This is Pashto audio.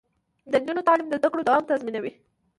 د نجونو تعلیم د زدکړو دوام تضمینوي.